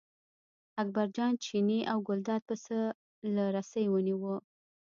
اکبرجان چینی او ګلداد پسه له رسۍ ونیوه.